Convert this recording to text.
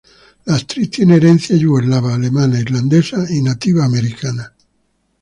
La actriz tiene herencia yugoslava, alemana, irlandesa y nativa americana.